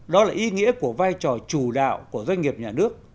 đó là ý nghĩa của vai trò chủ đạo của doanh nghiệp nhà nước